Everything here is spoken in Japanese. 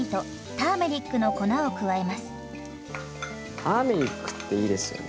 ターメリックっていいですよね。